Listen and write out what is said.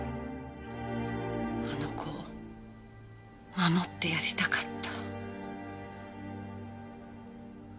あの子を守ってやりたかった。